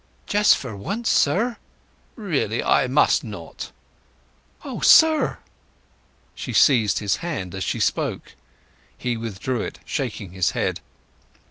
"Just for once, sir!" "Really I must not." "O sir!" She seized his hand as she spoke. He withdrew it, shaking his head.